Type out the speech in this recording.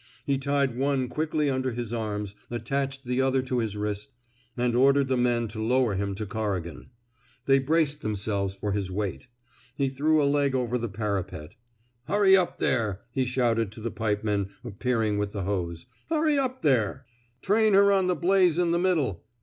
He tied one quickly under his arms, attached the other to his wrist, and ordered the men to lower him to Corrigan'. They braced themselves for his weight. He threw a leg over the parjapet. Hurry up there,'' he shouted to the pipemen appearing with the hose. Hurry up there! Train her on the blaze in the middle.